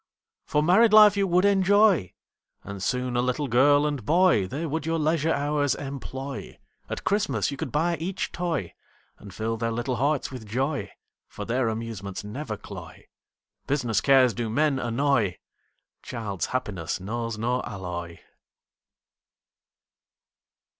For married life you would enjoy, And soon a little girl and boy, They would your leisure hours employ, At Christmas you could buy each toy, And fill their little hearts with joy, For their amusements never cloy, Business cares do men annoy, Child's happiness knows no alloy.